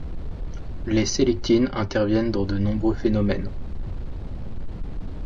Les sélectines interviennent dans de nombreux phénomènes.